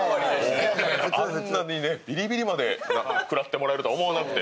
あんなに、ビリビリまで食らってもらえるとは思わなくて。